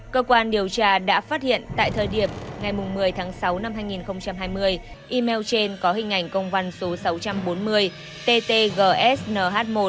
cơ quan điều tra đã phát hiện tại thời điểm ngày một mươi tháng sáu năm hai nghìn hai mươi email trên có hình ảnh công văn số sáu trăm bốn mươi ttg snh một